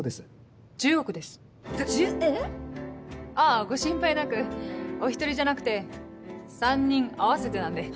⁉あご心配なくお一人じゃなくて３人合わせてなんで。